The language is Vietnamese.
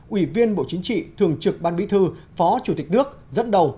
ủy viên bộ chính trị thường trực ban bí thư phó chủ tịch nước dẫn đầu